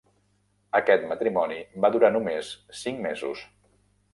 Aquest matrimoni va durar només cinc mesos.